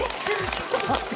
ちょっと待って。